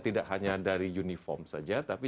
tidak hanya dari uniform saja tapi